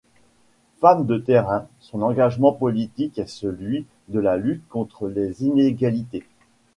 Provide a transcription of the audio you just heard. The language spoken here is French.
Femme de terrain, son engagement politique est celui de la lutte contre les inégalités.